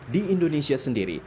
di indonesia sendiri